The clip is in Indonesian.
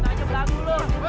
jangan berterima kasih ya